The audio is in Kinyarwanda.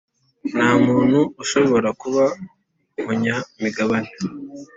Nta muntu ushobora kuba umunyamigabane